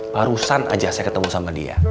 barusan saja saya bertemu dengan dia